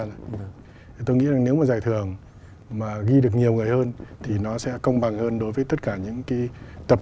thì tôi nghĩ là nếu mà giải thưởng mà ghi được nhiều người hơn thì nó sẽ công bằng hơn đối với tất cả những cái tập trung của chúng tôi